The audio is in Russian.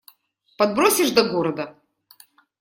Подбросишь до города?